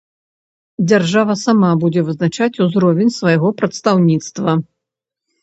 Дзяржава сама будзе вызначаць узровень свайго прадстаўніцтва.